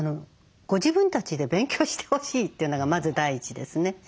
ご自分たちで勉強してほしいというのがまず第一ですね。